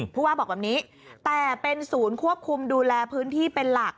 ผู้ว่าบอกแบบนี้แต่เป็นศูนย์ควบคุมดูแลพื้นที่เป็นหลัก